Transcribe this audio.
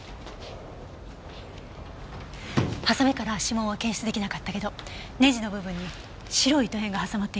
ハサミから指紋は検出できなかったけどネジの部分に白い糸片が挟まっていたわ。